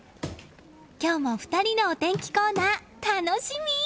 今日も２人のお天気コーナー楽しみ！